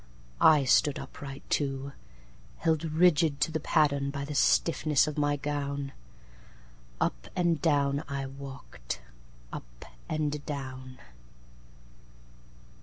I stood upright too, Held rigid to the patternBy the stiffness of my gown. Up and down I walked, Up and down.